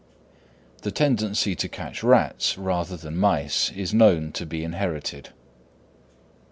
The tendency to catch rats rather than mice is known to be inherited.